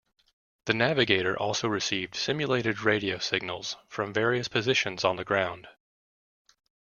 The navigator also received simulated radio signals from various positions on the ground.